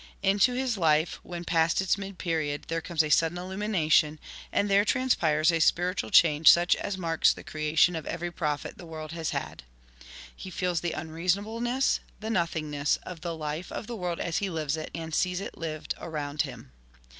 Into his life, when past its mid period, there comes a sudden illumination, and there transpires a spiritual change such as marks the creation of every prophet the world has had. He feels the un reasonableness, the nothingness, of the life of the world as he lives it and sees it lived around him.